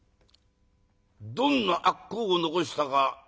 「どんな悪口を残したか？